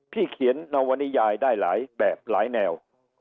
เขียนนวนิยายได้หลายแบบหลายแนว